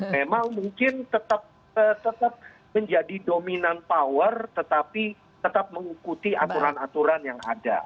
memang mungkin tetap menjadi dominan power tetapi tetap mengikuti aturan aturan yang ada